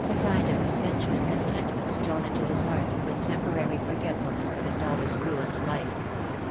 A kind of sensuous contentment stole into his heart, with temporary forgetfulness of his daughter's ruined life.